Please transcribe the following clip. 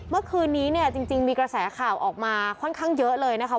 เมื่อคืนนี้เนี่ยจริงมีกระแสข่าวออกมาค่อนข้างเยอะเลยนะคะ